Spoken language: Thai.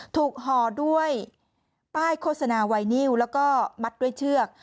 ห่อด้วยป้ายโฆษณาไวนิวแล้วก็มัดด้วยเชือก